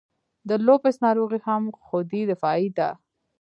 د لوپس ناروغي هم خودي دفاعي ده.